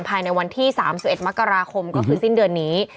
ภายในวันที่๓๑มกราคมก็คือสิ้นเดือนนี้